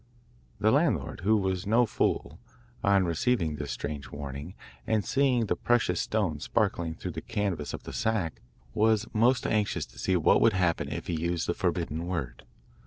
The landlord, who was no fool, on receiving this strange warning, and seeing the precious stones sparkling through the canvas of the sack, was most anxious to see what would happen if he used the forbidden word.